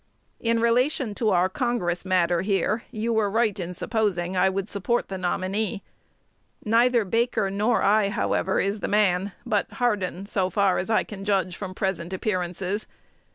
In relation to our Congress matter here, you were right in supposing I would support the nominee. Neither Baker nor I, however, is the man, but Hardin, so far as I can judge from present appearances.